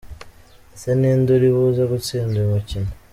Ese ni inde uri buze gustinda uyu mukino?.